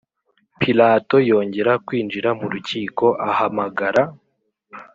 Pilato yongera kwinjira mu rukiko ahamagara